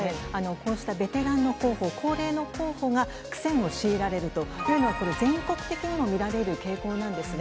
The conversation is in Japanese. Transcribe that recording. こうしたベテランの候補、高齢の候補が苦戦を強いられるというのは、これ、全国的にも見られる傾向なんですね。